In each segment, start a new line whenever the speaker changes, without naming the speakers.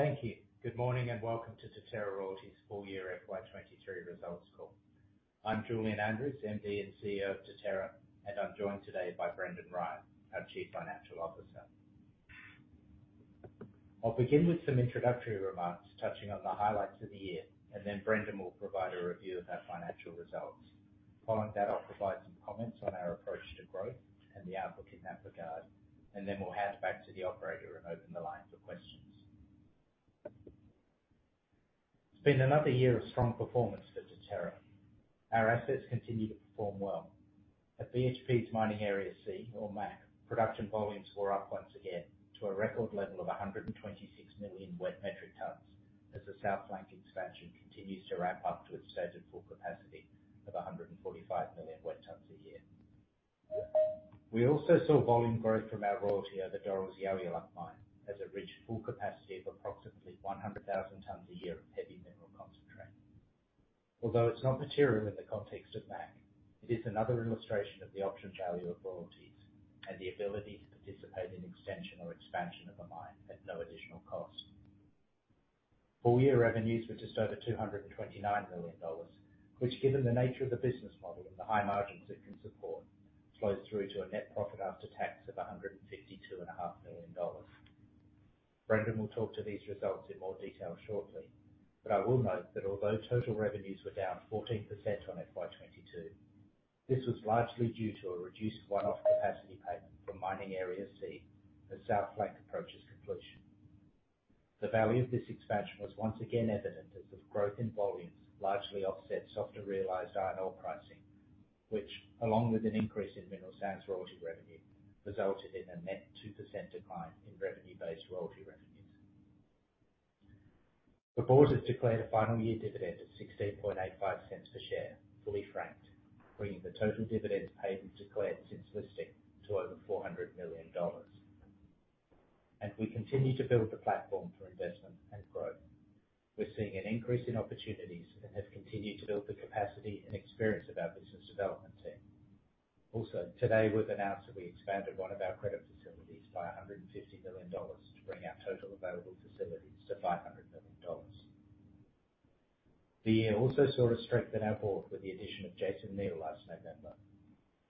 Thank you. Good morning, welcome to Deterra Royalties' full year FY23 results call. I'm Julian Andrews, MD and CEO of Deterra, and I'm joined today by Brendan Ryan, our Chief Financial Officer. I'll begin with some introductory remarks touching on the highlights of the year, and then Brendan will provide a review of our financial results. Following that, I'll provide some comments on our approach to growth and the outlook in that regard, and then we'll hand back to the operator and open the line for questions. It's been another year of strong performance for Deterra. Our assets continue to perform well. At BHP's Mining Area C, or MAC, production volumes were up once again to a record level of 126 million wet metric tonnes, as the South Flank expansion continues to ramp up to its stated full capacity of 145 million wet tonnes a year. We also saw volume growth from our royalty at the Doral's Yalyalup mine, as it reached full capacity of approximately 100,000 tonnes a year of heavy mineral concentrate. Although it's not material in the context of MAC, it is another illustration of the optional value of royalties and the ability to participate in extension or expansion of a mine at no additional cost. Full year revenues were just over 229 million dollars, which, given the nature of the business model and the high margins it can support, flows through to a net profit after tax of 152.5 million dollars. Brendan will talk to these results in more detail shortly, but I will note that although total revenues were down 14% on FY22, this was largely due to a reduced one-off capacity payment from Mining Area C as South Flank approaches completion. The value of this expansion was once again evident, as the growth in volumes largely offset softer realized iron ore pricing. Which, along with an increase in mineral sands royalty revenue, resulted in a net 2% decline in revenue-based royalty revenues. The board has declared a final year dividend of 0.1685 per share, fully franked, bringing the total dividends paid and declared since listing to over 400 million dollars. We continue to build the platform for investment and growth. We're seeing an increase in opportunities and have continued to build the capacity and experience of our business development team. Also, today, we've announced that we expanded one of our credit facilities by 150 million dollars to bring our total available facilities to 500 million dollars. We also saw us strengthen our board with the addition of Jason Neal last November.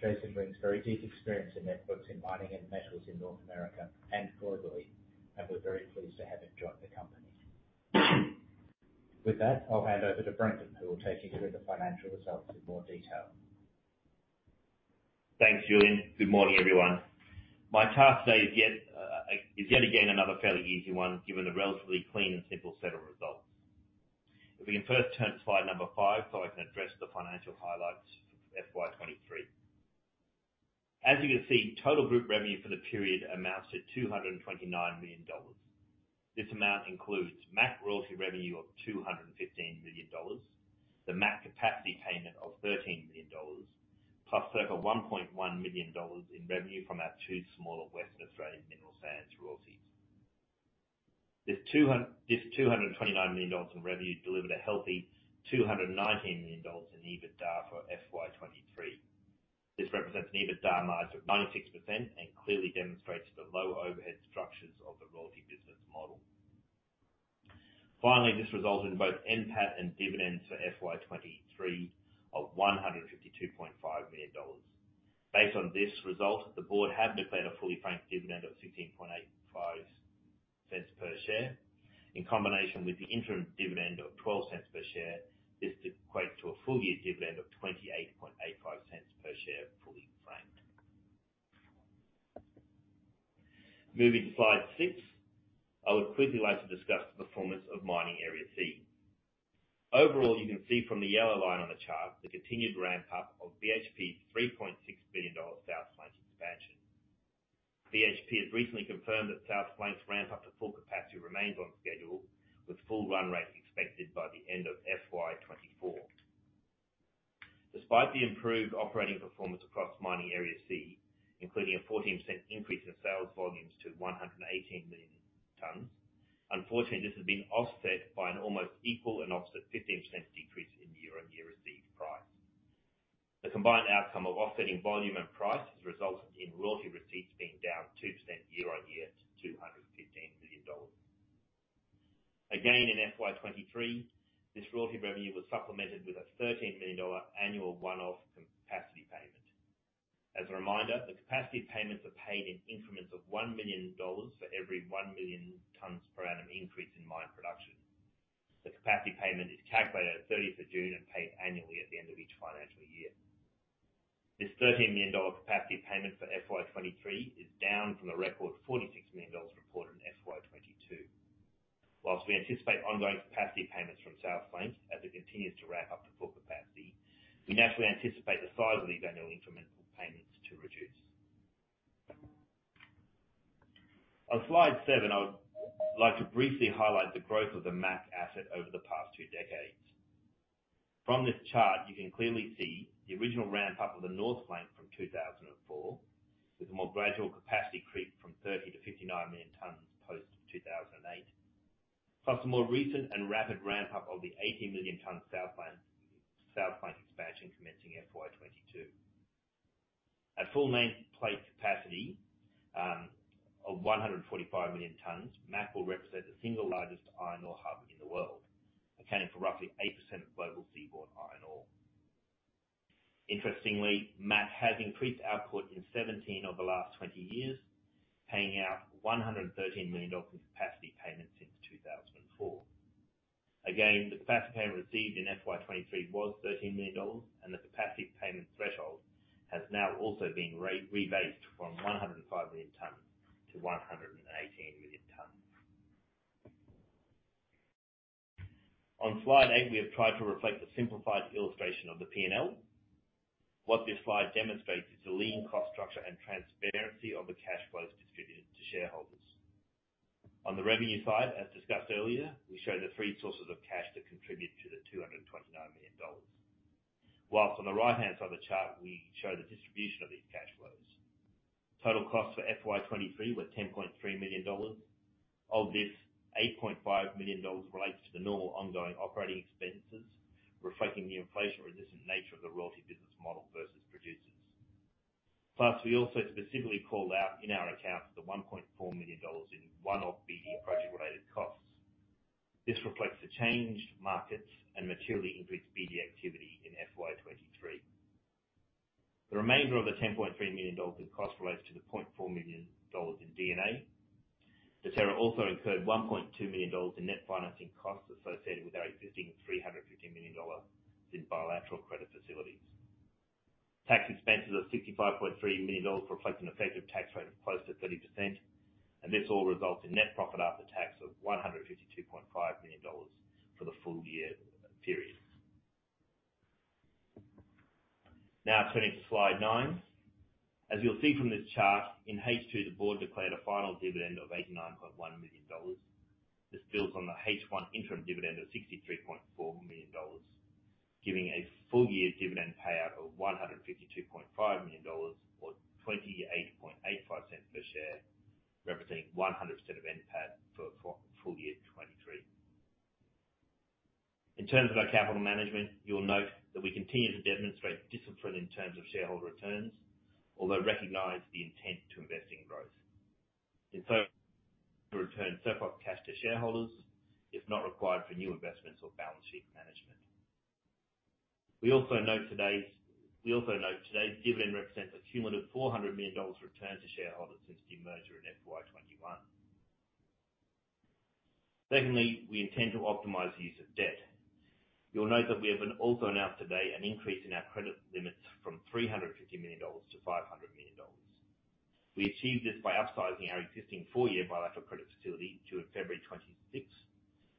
Jason brings very deep experience and networks in mining and metals in North America and globally, and we're very pleased to have him join the company. With that, I'll hand over to Brendan, who will take you through the financial results in more detail.
Thanks, Julian. Good morning, everyone. My task today is yet again, another fairly easy one, given the relatively clean and simple set of results. If we can first turn to slide number 5, so I can address the financial highlights for FY23. As you can see, total group revenue for the period amounts to 229 million dollars. This amount includes MAC royalty revenue of 215 million dollars, the MAC capacity payment of 13 million dollars, plus circa 1.1 million dollars in revenue from our two smaller Western Australian mineral sands royalties. This AUD 229 million in revenue delivered a healthy AUD 219 million in EBITDA for FY23. This represents an EBITDA margin of 96% and clearly demonstrates the low overhead structures of the royalty business model. Finally, this resulted in both NPAT and dividends for FY23 of AUD 152.5 million. Based on this result, the board have declared a fully franked dividend of 0.1685 per share. In combination with the interim dividend of 0.12 per share, this equates to a full year dividend of 0.2885 per share, fully franked. Moving to slide 6, I would quickly like to discuss the performance of Mining Area C. Overall, you can see from the yellow line on the chart, the continued ramp up of BHP's 3.6 billion dollar South Flank expansion. BHP has recently confirmed that South Flank's ramp up to full capacity remains on schedule, with full run rates expected by the end of FY24. Despite the improved operating performance across Mining Area C, including a 14% increase in sales volumes to 118 million tons, unfortunately, this has been offset by an almost equal and offset 15% decrease in year-on-year received price. The combined outcome of offsetting volume and price has resulted in royalty receipts being down 2% year-on-year to 215 million dollars. In FY23, this royalty revenue was supplemented with an 13 million dollar annual one-off capacity payment. As a reminder, the capacity payments are paid in increments of 1 million dollars for every 1 million tonnes per annum increase in mine production. The capacity payment is calculated at 30th of June and paid annually at the end of each financial year. This AUD 13 million capacity payment for FY23 is down from the record AUD 46 million reported in FY22. Whilst we anticipate ongoing capacity payments from South Flank as it continues to ramp up to full capacity, we naturally anticipate the size of these annual incremental payments to reduce. On slide 7, I would like to briefly highlight the growth of the MAC asset over the past two decades. From this chart, you can clearly see the original ramp-up of the North Flank from 2004, with a more gradual capacity creep from 30 million-59 million tons post-2008. Plus, a more recent and rapid ramp-up of the 80 million tons South Flank, South Flank expansion commencing FY22. At full nameplate capacity of 145 million tons, MAC will represent the single largest iron ore hub in the world, accounting for roughly 8% of global seaborne iron ore. Interestingly, MAC has increased output in 17 of the last 20 years, paying out 113 million dollars in capacity payments since 2004. The capacity payment received in FY23 was AUD 13 million, and the capacity payment threshold has now also been rebased from 105 million tons to 118 million tons. On slide 8, we have tried to reflect the simplified illustration of the P&L. What this slide demonstrates is the lean cost structure and transparency of the cash flows distributed to shareholders. On the revenue side, as discussed earlier, we show the 3 sources of cash that contribute to the 229 million dollars. On the right-hand side of the chart, we show the distribution of these cash flows. Total costs for FY23 were 10.3 million dollars. Of this, 8.5 million dollars relates to the normal ongoing operating expenses, reflecting the inflation-resistant nature of the royalty business model versus producers. We also specifically call out in our accounts, the 1.4 million dollars in one-off BD project related costs. This reflects the changed markets and materially increased BD activity in FY23. The remainder of the 10.3 million dollars in cost relates to the 0.4 million dollars in D&A. Deterra also incurred 1.2 million dollars in net financing costs associated with our existing 350 million dollars in bilateral credit facilities. Tax expenses of 65.3 million dollars reflect an effective tax rate of close to 30%, and this all results in net profit after tax of 152.5 million dollars for the full year period. Now, turning to slide 9. As you'll see from this chart, in H2, the board declared a final dividend of 89.1 million dollars. This builds on the H1 interim dividend of 63.4 million dollars, giving a full year dividend payout of 152.5 million dollars, or 0.2885 per share, representing 100% of NPAT for full year 2023. In terms of our capital management, you'll note that we continue to demonstrate discipline in terms of shareholder returns, although recognize the intent to invest in growth. In so, return surplus cash to shareholders if not required for new investments or balance sheet management. We also note today's dividend represents a cumulative AUD 400 million return to shareholders since the merger in FY21. Secondly, we intend to optimize the use of debt. You'll note that we have also announced today, an increase in our credit limits from 350 million dollars to 500 million dollars. We achieved this by upsizing our existing four-year bilateral credit facility due in February 2026,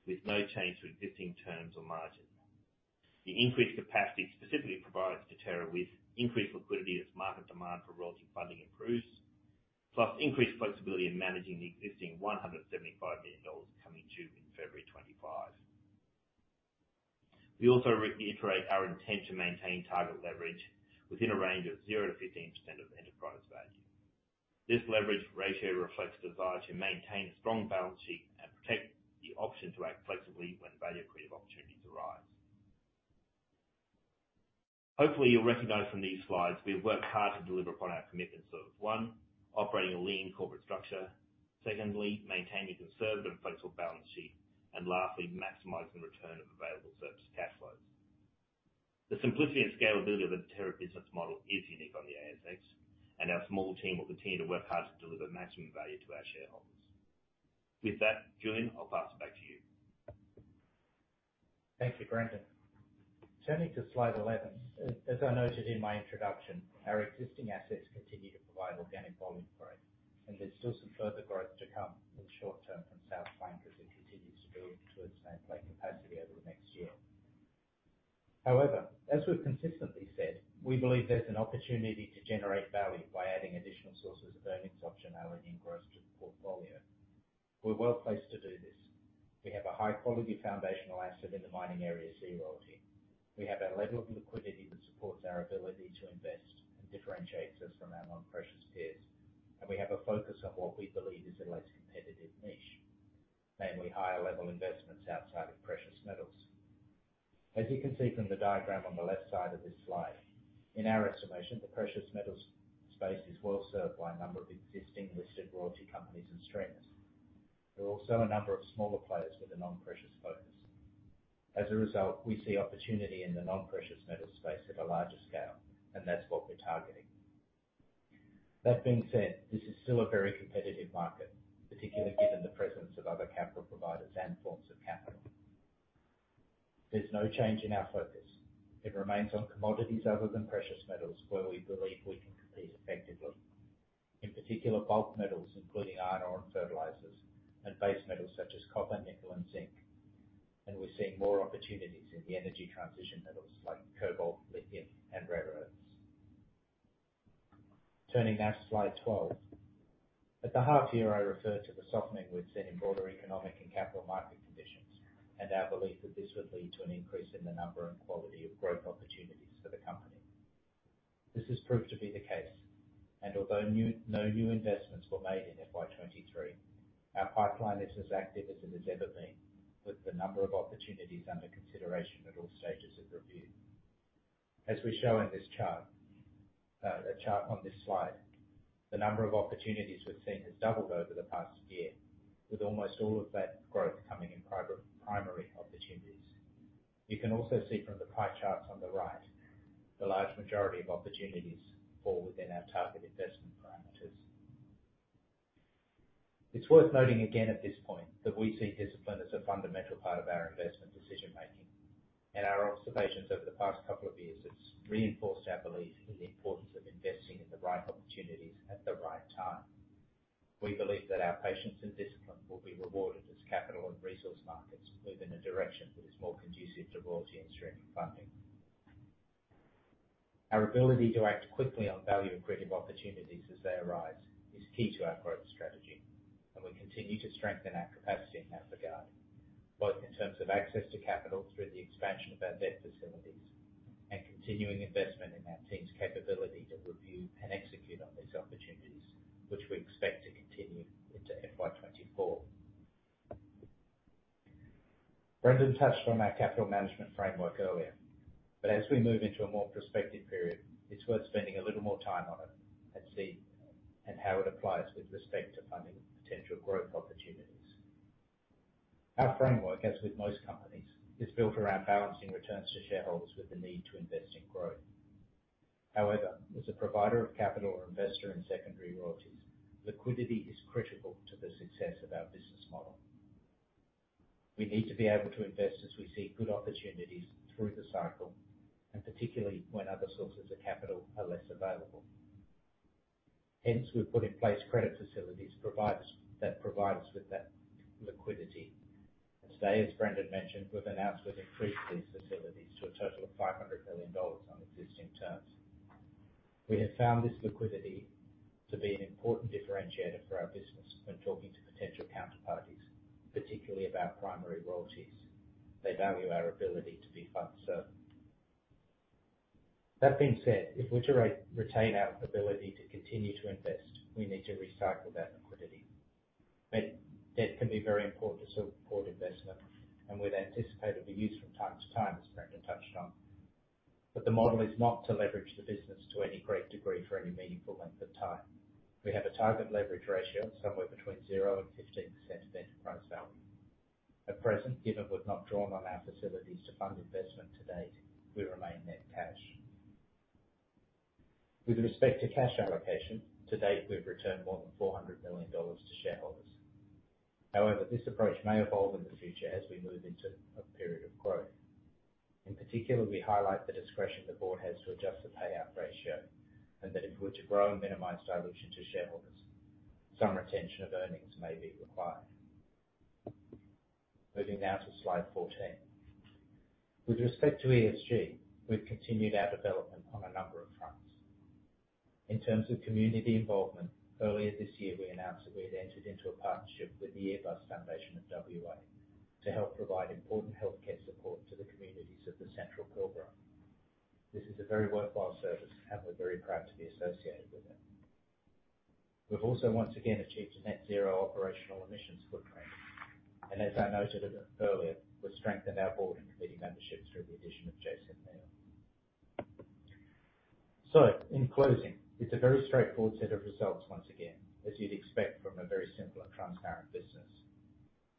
with no change to existing terms or margin. The increased capacity specifically provides Deterra with increased liquidity as market demand for relative funding improves, plus increased flexibility in managing the existing 175 million dollars coming due in February 2025. We also re- reiterate our intent to maintain target leverage within a range of 0%-15% of enterprise value. This leverage ratio reflects the desire to maintain a strong balance sheet and protect the option to act flexibly when value creative opportunities arise. Hopefully, you'll recognize from these slides, we've worked hard to deliver upon our commitments of, 1, operating a lean corporate structure. Secondly, maintaining conservative and flexible balance sheet. Lastly, maximizing return of available surplus cash flows. The simplicity and scalability of the Deterra business model is unique on the ASX, and our small team will continue to work hard to deliver maximum value to our shareholders. With that, Julian, I'll pass it back to you.
Thank you, Grantin. Turning to slide 11. As I noted in my introduction, our existing assets continue to provide organic volume growth, and there's still some further growth to come in the short term from South Flank, as it continues to build to its nameplate capacity over the next year. As we've consistently said, we believe there's an opportunity to generate value by adding additional sources of earnings, optionality, and growth to the portfolio. We're well placed to do this. We have a high quality foundational asset in the Mining Area C royalty. We have a level of liquidity that supports our ability to invest and differentiates us from our non-precious peers. We have a focus on what we believe is a less competitive niche, namely higher level investments outside of precious metals. As you can see from the diagram on the left side of this slide, in our estimation, the precious metals space is well served by a number of existing listed royalty companies and streams. There are also a number of smaller players with a non-precious focus. As a result, we see opportunity in the non-precious metal space at a larger scale, and that's what we're targeting. That being said, this is still a very competitive market, particularly given the presence of other capital providers and forms of capital. There's no change in our focus. It remains on commodities other than precious metals, where we believe we can compete effectively. In particular, bulk metals, including iron ore and fertilizers, and base metals such as copper, nickel, and zinc. We're seeing more opportunities in the energy transition metals like cobalt, lithium, and rare earths. Turning now to slide 12. At the half year, I referred to the softening we've seen in broader economic and capital market conditions, and our belief that this would lead to an increase in the number and quality of growth opportunities for the company. This has proved to be the case, and although no new investments were made in FY23. Our pipeline is as active as it has ever been, with the number of opportunities under consideration at all stages of review. As we show in this chart, the chart on this slide, the number of opportunities we've seen has doubled over the past year, with almost all of that growth coming in primary opportunities. You can also see from the pie charts on the right, the large majority of opportunities fall within our target investment parameters. It's worth noting again at this point, that we see discipline as a fundamental part of our investment decision making, and our observations over the past couple of years has reinforced our belief in the importance of investing in the right opportunities at the right time. We believe that our patience and discipline will be rewarded as capital and resource markets move in a direction that is more conducive to royalty and streaming funding. Our ability to act quickly on value-accretive opportunities as they arise is key to our growth strategy, and we continue to strengthen our capacity in that regard, both in terms of access to capital through the expansion of our debt facilities and continuing investment in our team's capability to review and execute on these opportunities, which we expect to continue into FY24. Brendan touched on our capital management framework earlier. As we move into a more prospective period, it's worth spending a little more time on it and see how it applies with respect to funding potential growth opportunities. Our framework, as with most companies, is built around balancing returns to shareholders with the need to invest in growth. As a provider of capital or investor in secondary royalties, liquidity is critical to the success of our business model. We need to be able to invest as we see good opportunities through the cycle, and particularly when other sources of capital are less available. We've put in place credit facilities that provide us with that liquidity. Today, as Brendan mentioned, we've announced we've increased these facilities to a total of 500 million dollars on existing terms. We have found this liquidity to be an important differentiator for our business when talking to potential counterparties, particularly about primary royalties. They value our ability to be fund serving. That being said, if we're to retain our ability to continue to invest, we need to recycle that liquidity. Debt can be very important to support investment, and we'd anticipate it'll be used from time to time, as Brendan touched on. The model is not to leverage the business to any great degree for any meaningful length of time. We have a target leverage ratio somewhere between 0% and 15% enterprise value. At present, given we've not drawn on our facilities to fund investment to date, we remain net cash. With respect to cash allocation, to date, we've returned more than 400 million dollars to shareholders. This approach may evolve in the future as we move into a period of growth. In particular, we highlight the discretion the board has to adjust the payout ratio, and that if we're to grow and minimize dilution to shareholders, some retention of earnings may be required. Moving now to slide 14. With respect to ESG, we've continued our development on a number of fronts. In terms of community involvement, earlier this year, we announced that we had entered into a partnership with the Earbus Foundation of WA, to help provide important healthcare support to the communities of the Central Pilbara. This is a very worthwhile service, and we're very proud to be associated with it. We've also once again achieved a net zero operational emissions footprint. As I noted a bit earlier, we've strengthened our board and committee memberships through the addition of Jason Neal. In closing, it's a very straightforward set of results once again, as you'd expect from a very simple and transparent business.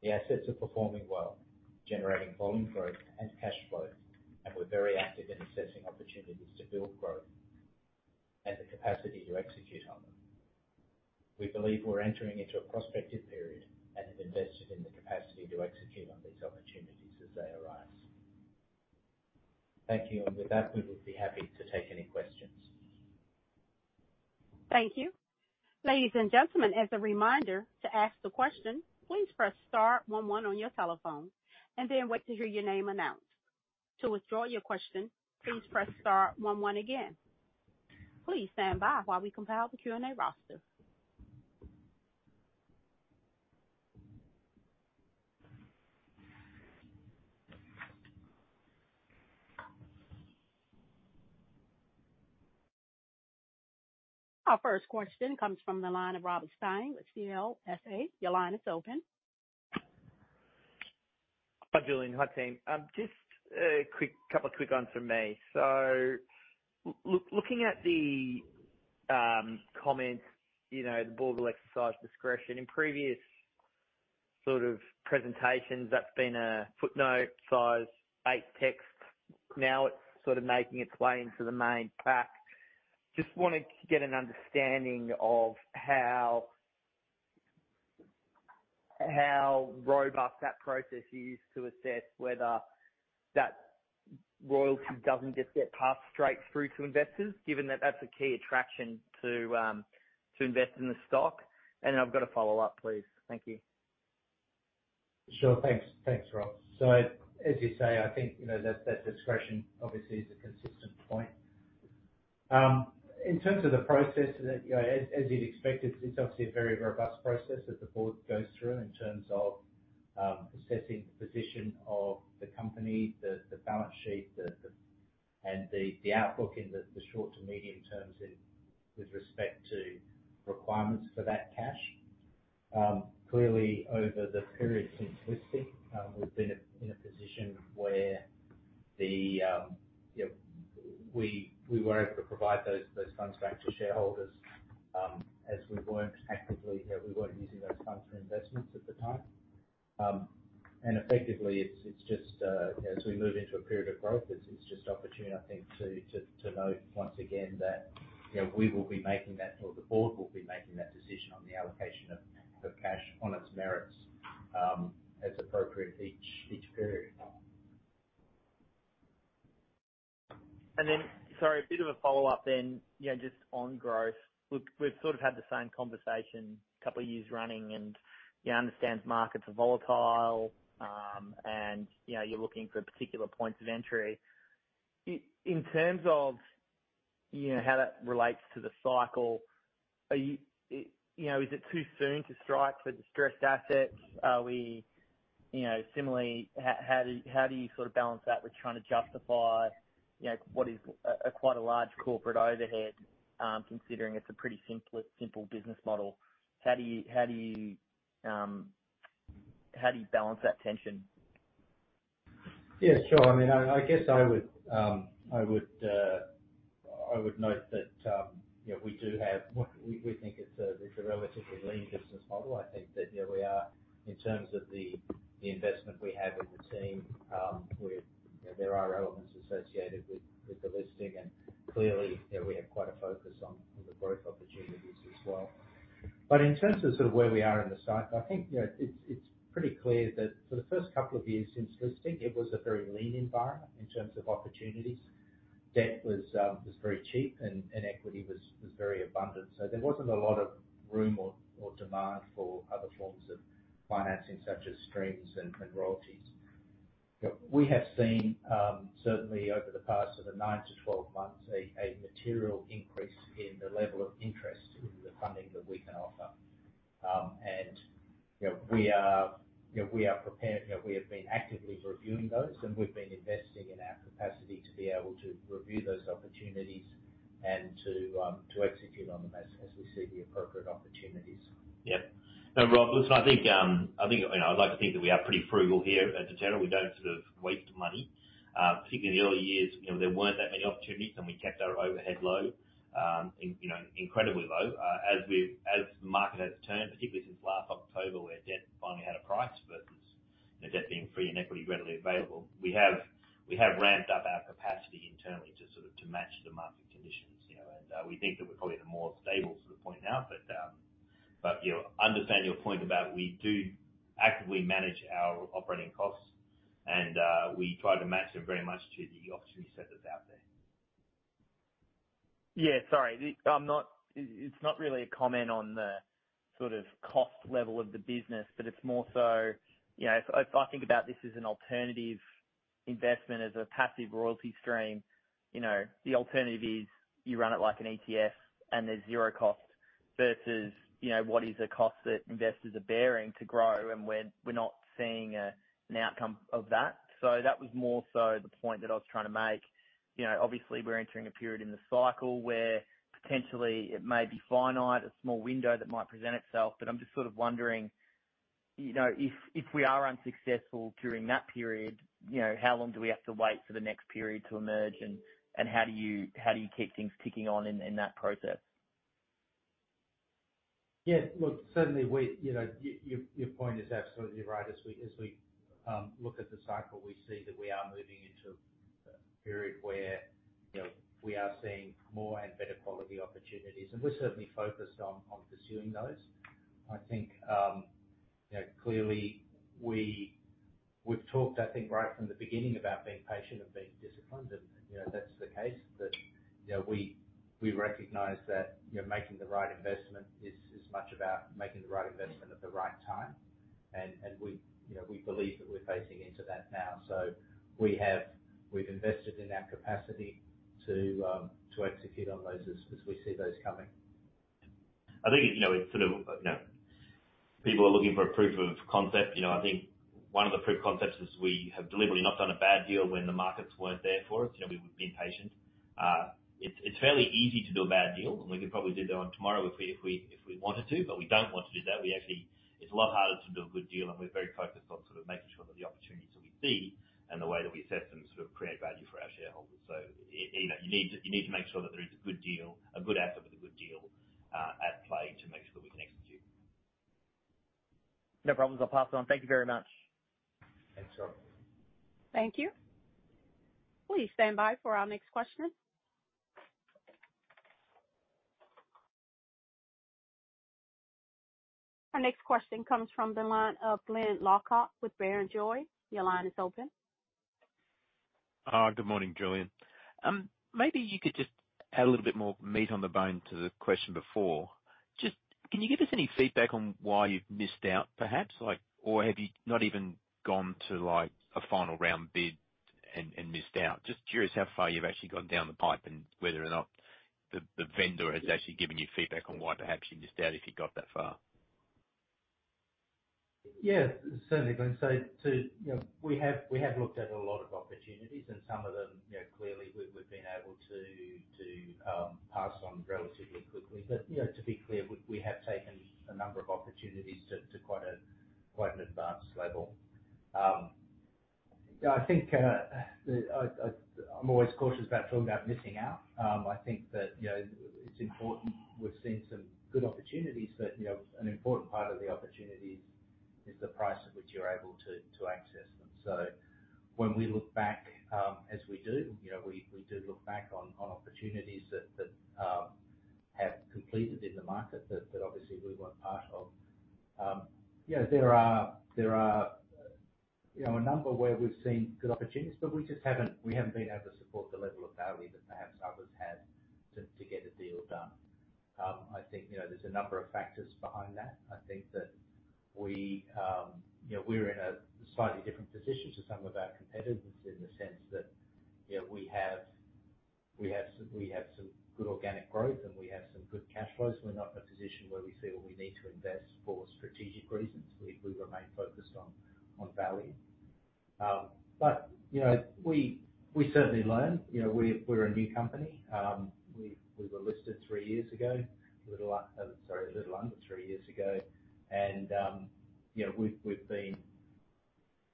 The assets are performing well, generating volume growth and cash flow, and we're very active in assessing opportunities to build growth and the capacity to execute on them. We believe we're entering into a prospective period and have invested in the capacity to execute on these opportunities as they arise. Thank you. With that, we will be happy to take any questions.
Thank you. Ladies and gentlemen, as a reminder, to ask the question, please press star 11 on your telephone and then wait to hear your name announced. To withdraw your question, please press star 11 again. Please stand by while we compile the Q&A roster. Our first question comes from the line of Robert Stein with CLSA. Your line is open.
Hi, Julian. Hi, team. Just a quick, couple of quick ones from me. Looking at the comments, you know, the board will exercise discretion. In previous sort of presentations, that's been a footnote size eight text. Now it's sort of making its way into the main pack. Just wanted to get an understanding of how, how robust that process is to assess whether that royalty doesn't just get passed straight through to investors, given that that's a key attraction to invest in the stock. I've got a follow-up, please. Thank you.
Sure. Thanks. Thanks, Rob. As you say, I think, you know, that, that discretion obviously is a consistent point. In terms of the process that, you know, as, as you'd expect, it's obviously a very robust process that the board goes through in terms of assessing the position of the company, the, the balance sheet, and the, the outlook in the, the short to medium terms in, with respect to requirements for that cash. Clearly, over the period since listing, we've been in a, in a position where the, you know, we, we weren't able to provide those, those funds back to shareholders, as we weren't actively, you know, we weren't using those funds for investments at the time. Effectively, it's, it's just, as we move into a period of growth, it's, it's just opportune, I think, to, to, to note once again, that, you know, we will be making that or the board will be making that decision on the allocation of, of cash on its merits, as appropriate each, each period.
Sorry, a bit of a follow-up then, you know, just on growth. We've, we've sort of had the same conversation 2 years running, and I understand markets are volatile, and, you know, you're looking for particular points of entry. In terms of, you know, how that relates to the cycle, are you, you know, is it too soon to strike for distressed assets? Are we, you know? Similarly, how, how do, how do you sort of balance that with trying to justify, you know, what is a, a quite a large corporate overhead, considering it's a pretty simple business model? How do you, how do you, how do you balance that tension?
Yeah, sure. I mean, I guess I would note that, you know, we do have. We think it's a relatively lean business model. I think that, yeah, we are, in terms of the investment we have in the team, we're, you know, there are elements associated with the listing, and clearly, you know, we have quite a focus on the growth opportunities as well. In terms of sort of where we are in the cycle, I think, you know, it's pretty clear that for the first couple of years since listing, it was a very lean environment in terms of opportunities. Debt was, was very cheap, and, and equity was, was very abundant, so there wasn't a lot of room or, or demand for other forms of financing, such as streams and, and royalties. We have seen, certainly over the past sort of 9 to 12 months, a, a material increase in the level of interest in the funding that we can offer. You know, we are, you know, we are prepared. You know, we have been actively reviewing those, and we've been investing in our capacity to be able to review those opportunities and to, to execute on them as, as we see the appropriate opportunities.
Yep. No, Robert Stein, listen, I think, I think, you know, I'd like to think that we are pretty frugal here at Deterra. We don't sort of waste money. Particularly in the early years, you know, there weren't that many opportunities, and we kept our overhead low, in, you know, incredibly low. As we've-- as the market has turned, particularly since last October, where debt finally had a price versus, you know, debt being free and equity readily available, we have, we have ramped up our capacity internally to sort of, to match the market conditions, you know, and, we think that we're probably the more stable sort of point now. You know, understand your point about we do actively manage our operating costs, and, we try to match them very much to the opportunity set that's out there.
Yeah, sorry. It's not really a comment on the sort of cost level of the business, but it's more so, you know, if I, I think about this as an alternative investment, as a passive royalty stream, you know, the alternative is you run it like an ETF and there's 0 cost versus, you know, what is the cost that investors are bearing to grow and when we're not seeing an outcome of that. That was more so the point that I was trying to make. You know, obviously, we're entering a period in the cycle where potentially it may be finite, a small window that might present itself, but I'm just sort of wondering, you know, if we are unsuccessful during that period, you know, how long do we have to wait for the next period to emerge? How do you, how do you keep things ticking on in, in that process?
Yeah, look, certainly we, you know, your, your point is absolutely right. As we, as we, look at the cycle, we see that we are moving into a period where, you know, we are seeing more and better quality opportunities, and we're certainly focused on, on pursuing those. I think, you know, clearly, we've talked, I think, right from the beginning about being patient and being disciplined, and, you know, that's the case. That, you know, we, we recognize that, you know, making the right investment is, is much about making the right investment at the right time. We, you know, we believe that we're facing into that now. We have, we've invested in our capacity to, to execute on those as, as we see those coming.
I think, you know, it's sort of, you know, people are looking for a proof of concept. You know, I think one of the proof concepts is we have deliberately not done a bad deal when the markets weren't there for us. You know, we've been patient. It's, it's fairly easy to do a bad deal, and we could probably do that one tomorrow if we wanted to, but we don't want to do that. We actually. It's a lot harder to do a good deal, and we're very focused on sort of making sure that the opportunities that we see and the way that we assess them, sort of create value for our shareholders. You know, you need to, you need to make sure that there is a good deal, a good asset with a good deal, at play to make sure we can execute.
No problems. I'll pass it on. Thank you very much.
Thanks, Rob.
Thank you. Please stand by for our next question. Our next question comes from the line of Glenn Lackock with Barrenjoey. Your line is open.
Good morning, Julian. Maybe you could just add a little bit more meat on the bone to the question before. Can you give us any feedback on why you've missed out, perhaps? Or have you not even gone to a final round bid and missed out? Curious how far you've actually gone down the pipe and whether or not the vendor has actually given you feedback on why perhaps you missed out, if you got that far. ...
Yeah, certainly, Glenn. To, you know, we have, we have looked at a lot of opportunities, and some of them, you know, clearly we, we've been able to, to pass on relatively quickly. But, you know, to be clear, we, we have taken a number of opportunities to, to quite a, quite an advanced level. Yeah, I think, the, I, I, I'm always cautious about talking about missing out. I think that, you know, it's important. We've seen some good opportunities, but, you know, an important part of the opportunities is the price at which you're able to, to access them. When we look back, as we do, you know, we, we do look back on, on opportunities that, that have completed in the market that, that obviously we weren't part of. You know, there are, there are, you know, a number where we've seen good opportunities, but we just haven't, we haven't been able to support the level of value that perhaps others had to to get a deal done. I think, you know, there's a number of factors behind that. I think that we, you know, we're in a slightly different position to some of our competitors in the sense that, you know, we have, we have some, we have some good organic growth, and we have some good cash flows. We're not in a position where we feel we need to invest for strategic reasons. We, we remain focused on, on value. You know, we, we certainly learn. You know, we're a new company. We, we were listed three years ago, a little sorry, a little under three years ago. You know, we've, we've been,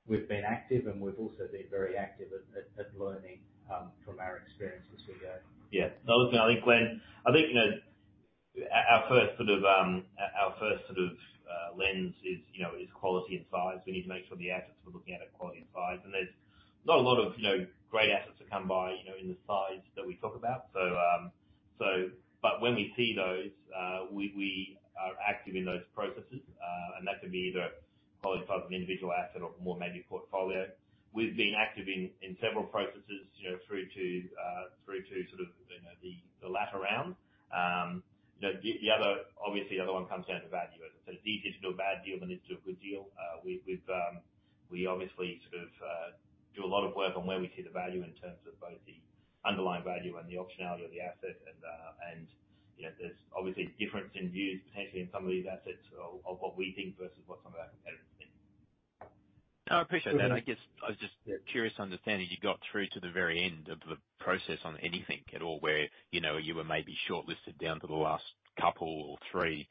we've been active, and we've also been very active at, at, at learning from our experiences we have.
Yeah. No, look, I think, Glenn, I think, you know, our first sort of, our first sort of, lens is, you know, is quality and size. We need to make sure the assets we're looking at are quality and size. There's not a lot of, you know, great assets that come by, you know, in the size that we talk about. When we see those, we, we are active in those processes, and that can be either quality, size of an individual asset or more maybe a portfolio. We've been active in, in several processes, you know, through to, through to sort of, you know, the, the latter round. You know, the, the other, obviously, the other one comes down to value. It's easy to do a bad deal than it is to do a good deal. We've, we've, we obviously sort of, do a lot of work on where we see the value in terms of both the underlying value and the optionality of the asset. And, you know, there's obviously difference in views, potentially in some of these assets of, of what we think versus what some of our competitors think.
No, I appreciate that. I guess I was just curious to understand, if you got through to the very end of the process on anything at all, where, you know, you were maybe shortlisted down to the last couple or three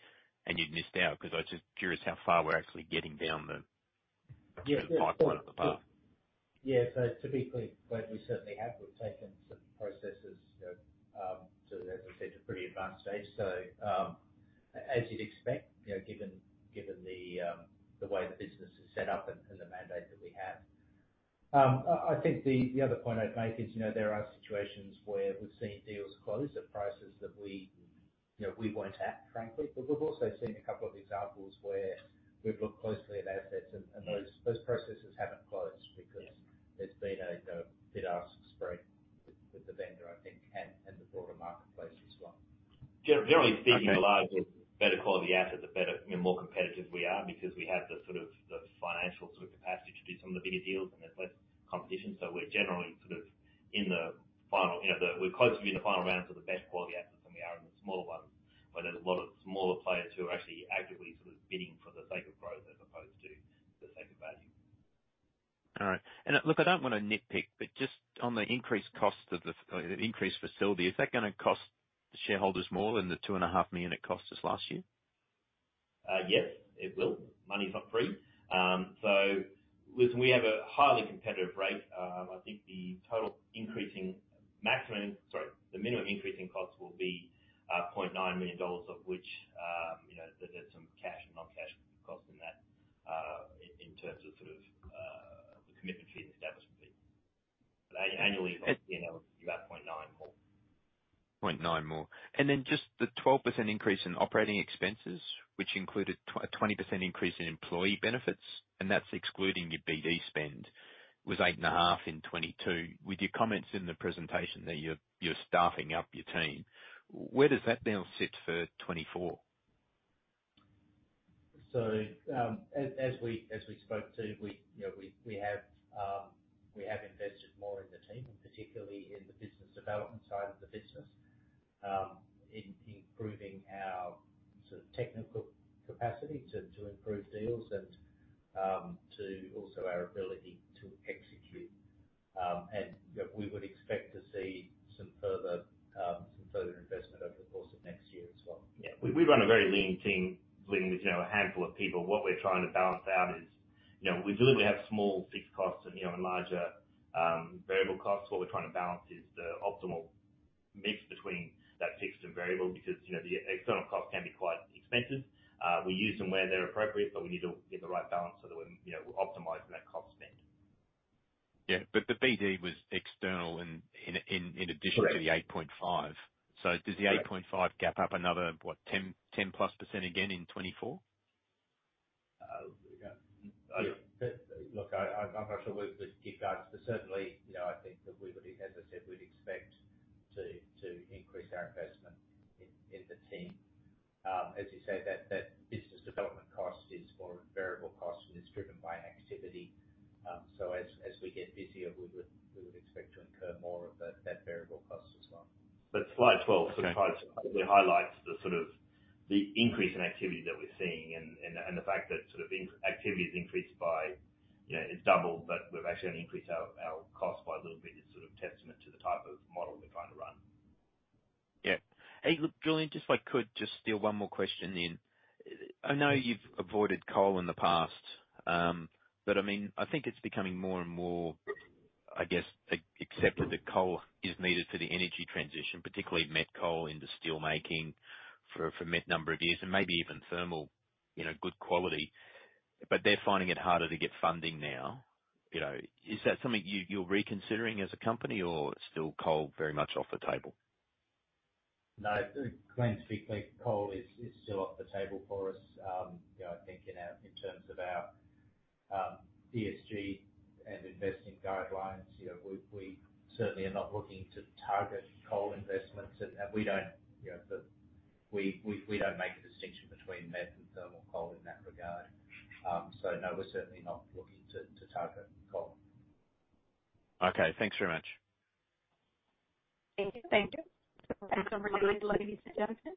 and you'd missed out? Because I'm just curious how far we're actually getting down the-
Yes.
pipeline of the path.
Yeah. To be clear, Glenn, we certainly have. We've taken some processes, you know, as I said, to pretty advanced stage. As you'd expect, you know, given, given the way the business is set up and the mandate that we have. I think the other point I'd make is, you know, there are situations where we've seen deals close at prices that we, you know, we won't at, frankly. We've also seen a couple of examples where we've looked closely at assets, and those processes haven't closed because there's been a, you know, bid-ask spread with the vendor, I think, and the broader marketplace as well.
Generally speaking, the larger, the better quality asset, the better, you know, more competitive we are because we have the, sort of, the financial sort of capacity to do some of the bigger deals and there's less competition. We're generally sort of in the final, you know, we're close to be in the final round for the best quality assets than we are in the smaller ones. There's a lot of smaller players who are actually actively sort of bidding for the sake of growth as opposed to the sake of value.
All right. Look, I don't want to nitpick, but just on the increased cost of the increased facility, is that gonna cost the shareholders more than the 2.5 million it cost us last year?
Yes, it will. Money's not free. Listen, we have a highly competitive rate. I think the total increasing maximum, sorry, the minimum increase in costs will be 0.9 million dollars, of which, you know, there, there's some cash and non-cash costs in that in terms of sort of the commitment fee and establishment fee. Annually, you know, you add 0.9 more.
0.9 more. Then just the 12% increase in operating expenses, which included a 20% increase in employee benefits, and that's excluding your BD spend, was 8.5 in 2022. With your comments in the presentation, that you're, you're staffing up your team, where does that now sit for 2024?
As, as we, as we spoke to, we, you know, we, we have, we have invested more in the team, particularly in the business development side of the business, in improving our sort of technical capacity to, to improve deals and, to also our ability to execute. You know, we would expect to see some further, some further investment over the course of next year as well.
Yeah. We, we run a very lean team, Glenn, with, you know, a handful of people. What we're trying to balance out is, you know, we deliberately have small fixed costs and, you know, and larger, variable costs. What we're trying to balance is the optimal mix between that fixed and variable, because, you know, the external costs can be quite expensive. We use them where they're appropriate, but we need to get the right balance so that we're, you know, optimizing that cost spend.
Yeah, but the BD was external.
Correct.
addition to the 8.5. Does the 8.5 gap up another, what, 10, 10+% again in 2024?
Yeah.
Look, I, I'm not sure we, we give guidance, but certainly, you know, I think that we would, as I said, we'd expect to increase our investment in, in the team. As you say, that, that business development cost is more a variable cost and is driven by activity. As, as we get busier, we would, we would expect to incur more of that, that variable cost as well.
slide 12.
Okay.
highlights, it highlights the sort of, the increase in activity that we're seeing and, and the, and the fact that sort of activity has increased by, you know, it's doubled, but we've actually only increased our, our cost by a little bit, is sort of testament to the type of model we're trying to run.
Yeah. Hey, look, Julian, just if I could just steal one more question in. I know you've avoided coal in the past, but I mean, I think it's becoming more and more, I guess, accepted that coal is needed for the energy transition, particularly met coal into steelmaking for, for a number of years and maybe even thermal, you know, good quality, but they're finding it harder to get funding now. You know, is that something you, you're reconsidering as a company or still coal very much off the table?
No, Glenn, quickly, coal is, is still off the table for us. You know, I think in our, in terms of our, ESG and investing guidelines, you know, we, we certainly are not looking to target coal investments. We don't, you know, We, we, we don't make a distinction between met and thermal coal in that regard. No, we're certainly not looking to, to target coal.
Okay. Thanks very much.
Thank you. Thank you. That's a really ladies and gentlemen,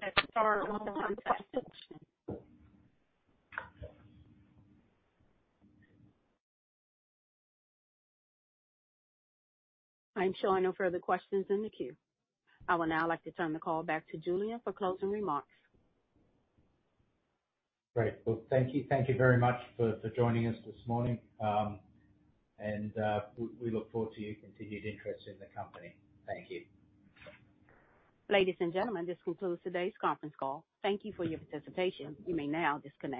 that's our well on time. I'm showing no further questions in the queue. I will now like to turn the call back to Julian for closing remarks.
Great. Well, thank you. Thank you very much for, for joining us this morning, and, we, we look forward to your continued interest in the company. Thank you.
Ladies and gentlemen, this concludes today's conference call. Thank you for your participation. You may now disconnect.